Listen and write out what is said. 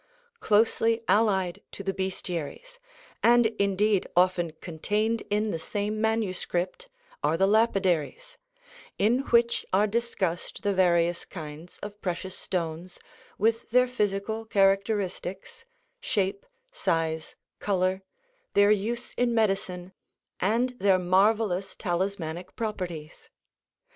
Closely allied to the Bestiaries (and indeed often contained in the same manuscript) are the Lapidaries, in which are discussed the various kinds of precious stones, with their physical characteristics, shape, size, color, their use in medicine, and their marvelous talismanic properties.